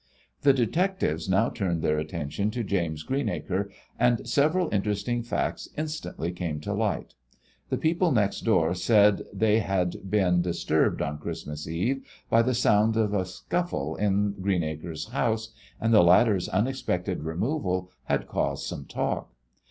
The detectives now turned their attention to James Greenacre, and several interesting facts instantly came to light. The people next door said that they had been disturbed on Christmas Eve by the sound of a scuffle in Greenacre's house, and the latter's unexpected removal had caused some talk.